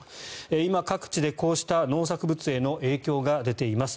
今、各地でこうした農作物への影響が出ています。